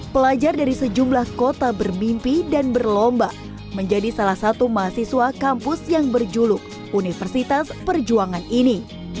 pelajar dari sejumlah kota bermimpi dan berlomba menjadi salah satu mahasiswa kampus yang berjuluk universitas perjuangan ini